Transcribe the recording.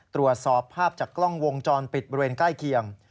ตรวจสอบภาพจากกล้องวงจรปิดบริเวณใกล้เคียง